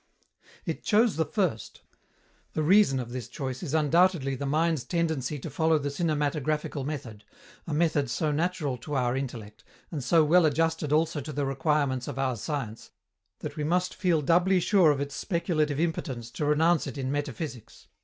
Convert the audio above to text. It chose the first. The reason of this choice is undoubtedly the mind's tendency to follow the cinematographical method, a method so natural to our intellect, and so well adjusted also to the requirements of our science, that we must feel doubly sure of its speculative impotence to renounce it in metaphysics.